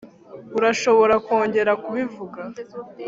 urashobora kongera kubivuga?